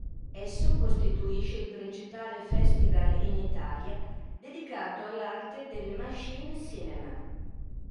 Esso costituisce il principale festival in Italia dedicato all'arte del machine cinema.